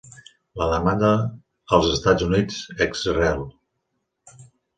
La demanda, els Estats Units ex rel.